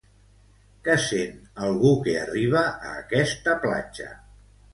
Què sent algú que arriba a aquesta platja?